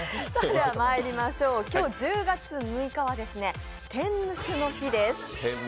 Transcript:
ではまいりましょう、今日１０月６日は天むすの日です。